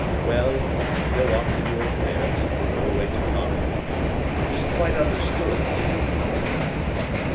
"Well; go off to your affairs, I will go away to mine. But it is quite understood, is it not?"